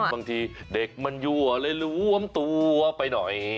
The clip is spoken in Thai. บางทีเด็กมันยั่วเลยล้วมตัวไปหน่อย